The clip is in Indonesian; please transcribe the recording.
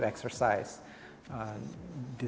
mereka memiliki inti